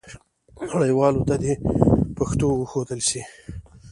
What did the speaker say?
نړیوالو ته دې پښتو وښودل سي.